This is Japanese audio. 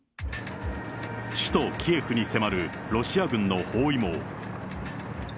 首都キエフに迫るロシア軍の包囲網。